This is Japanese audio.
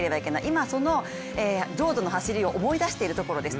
今そのロードの走りを思い出しているところです。